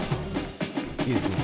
いいですね。